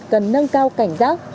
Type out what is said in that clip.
cần nâng cao cảnh giác